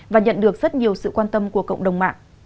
và nhận được rất nhiều sự quan tâm của cộng đồng mạng